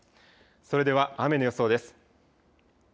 それでは雨の予想です。